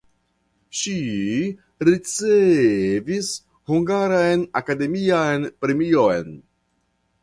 Ŝi ricevis hungaran akademian premion.